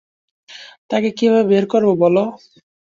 তাকে কীভাবে বের করবো বলো।